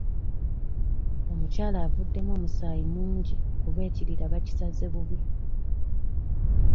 Omukyala avuddemu omusaayi mungi kuba ekirira bakisaze bubi.